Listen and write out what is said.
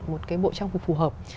một cái bộ trang phục phù hợp